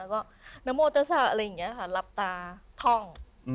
แล้วก็นโมเตอร์สะอะไรอย่างนี้ค่ะหลับตาท่อง